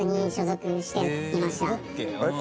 あれ？